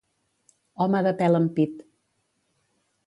Home de pèl en pit.